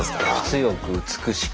「強く美しく」。